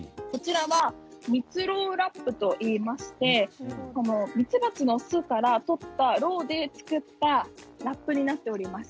ミツロウラップといいましてミツバチの巣から取ったろうで作ったラップになっております。